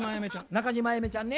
中島あやめちゃんね。